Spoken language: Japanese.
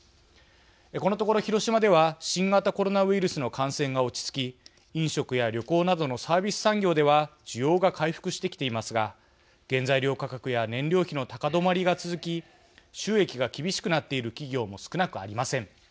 このところ、広島では新型コロナウイルスの感染が落ち着き飲食や旅行などのサービス産業では需要が回復してきていますが原材料価格や燃料費の高止まりが続き収益が厳しくなっている企業も少なくありません。